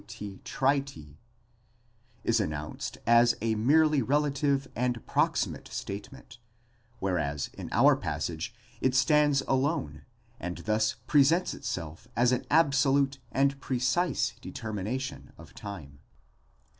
32: σήμερον καὶ αὔριον καὶ τῇ τρίτῃ) is announced as a merely relative and proximate statement, whereas in our passage it stands eeene, and thus presents itself as an absolute and precise determination of time.